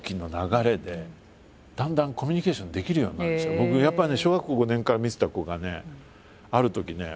僕やっぱね小学校５年から見てた子がねあるときね